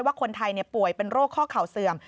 ว่าคนไทยป่วยเป็นโรคข้อเข่าเสื่อม